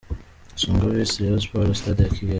Isonga vs Rayon Sports – Stade ya Kigali.